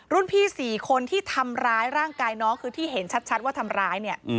รุ่นพี่๔คนที่ทำร้ายร่างกายน้องคือที่เห็นชัดว่าทำร้ายเนี่ย